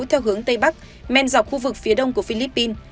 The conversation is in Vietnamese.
theo hướng tây bắc men dọc khu vực phía đông của philippines